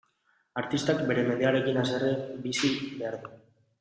Artistak bere mendearekin haserre bizi behar du.